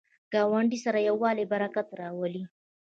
ګاونډي سره یووالی، برکت راولي